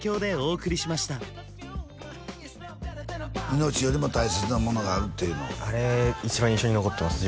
命よりも大切なものがあるっていうのあれ一番印象に残ってます